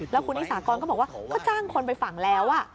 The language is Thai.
แล้วคุณนิสากรก็บอกว่าก็จ้างคนไปฝั่งแล้ว